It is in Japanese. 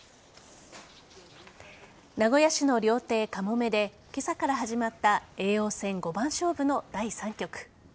名古屋市の料亭・か茂免で今朝から始まった叡王戦五番勝負の第３局。